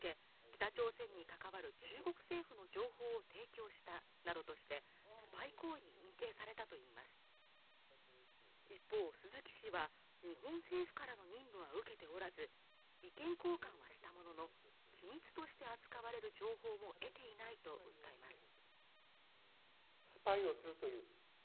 北朝鮮に関わる中国政府の情報を提供したなどとしてスパイ行為に認定されたといいます一方鈴木氏は日本政府からの任務は受けておらず意見交換はしたものの機密として扱われる情報も得ていないと訴えます